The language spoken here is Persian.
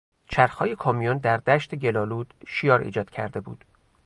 چرخهای کامیون در دشت گلآلود شیار ایجاد کرده بود.